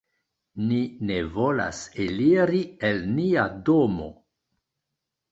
"Ni ne volas eliri el nia domo."